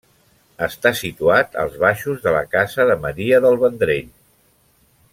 Està situat als baixos de la casa de Maria del Vendrell.